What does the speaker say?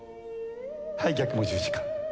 はい逆も十字架。